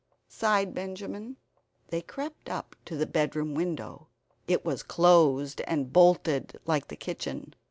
sighed Benjamin. They crept up to the bedroom window. It was closed and bolted like the kitchen.